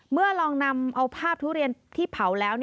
เมื่อลองนำเอาภาพทุเรียนที่เผาแล้ว